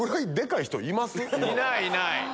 いないいない。